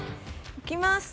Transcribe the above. いきます。